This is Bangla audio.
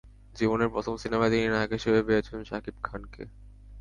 জীবনের প্রথম সিনেমায় তিনি নায়ক হিসেবে পেয়েছেন শাকিব খানকে।